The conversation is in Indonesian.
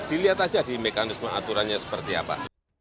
dilihat aja di mekanisme aturannya seperti apa